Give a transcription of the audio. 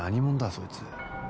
そいつ。